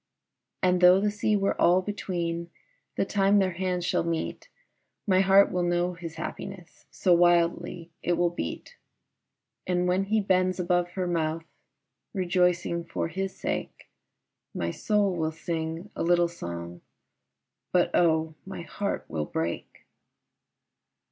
And tho' the sea were all between, The time their hands shall meet, My heart will know his happiness, So wildly it will beat. And when he bends above her mouth, Rejoicing for his sake, My soul will sing a little song, But oh, my heart will break.